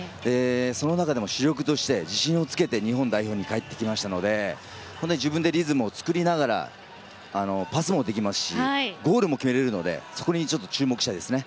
その中でも主力として自信をつけて日本代表に帰ってきましたので自分でリズムを作りながらパスもできますしゴールも決めれるのでそこに注目したいですね。